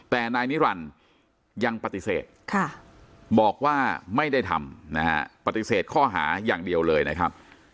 แต่นายนิรันดิ์ยังปฏิเสธบอกว่าไม่ได้ทำนะฮะปฏิเสธข้อหาอย่างเดียวเลยนะครับ